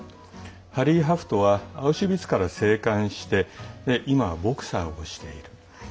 ハリー・ハフトはアウシュヴィッツから生還して今は、ボクサーをしている。